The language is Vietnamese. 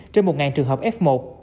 trên một trường hợp f một